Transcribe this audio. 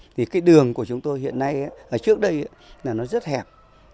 thì cái đường của chúng tôi hiện nay ở trước đây là nó rất hẹp